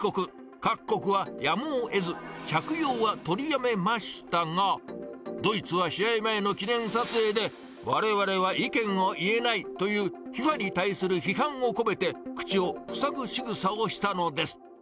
各国はやむをえず、着用は取りやめましたが、ドイツは試合前の記念撮影で、われわれは意見を言えないという、ＦＩＦＡに対する批判を込めて、口を塞ぐしぐさをしたのです。